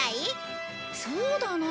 そうだなあ。